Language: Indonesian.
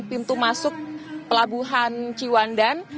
pintu masuk pelabuhan ciwan dan